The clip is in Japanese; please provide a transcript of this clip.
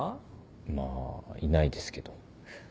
まあいないですけど。